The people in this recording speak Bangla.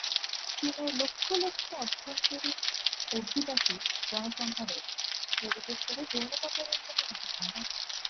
চীনের লক্ষ লক্ষ অভ্যন্তরীণ অভিবাসী জনসংখ্যা রয়েছে, যা বিশেষ করে যৌন পাচারের জন্য ঝুঁকিপূর্ণ।